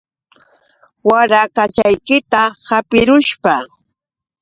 Warakachaykita hapirikushpa.